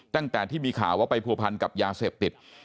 ตั้งแต่ที่มีข่าวว่าไปผัวพันกับยาเสพติด